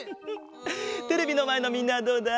テレビのまえのみんなはどうだ？